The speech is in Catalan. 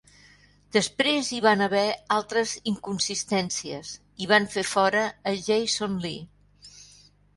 Després hi van haver altres inconsistències i van fer fora a Jason Lee.